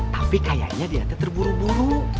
tapi kayaknya dia terburu buru